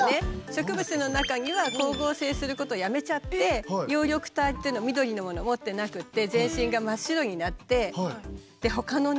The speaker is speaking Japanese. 植物の中には光合成することやめちゃって葉緑体っていう緑のもの持ってなくて全身が真っ白になってほかのね